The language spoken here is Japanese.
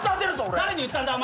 誰に言ったんだお前。